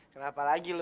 kenapa lagi lu